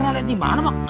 pernah lihat dimana bang